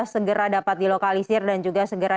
segera dapat dilokalisir dan juga segera